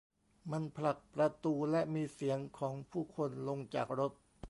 มันผลักประตู และมีเสียงของผู้คนลงจากรถ